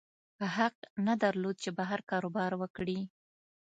حق نه درلود چې بهر کاروبار وکړي.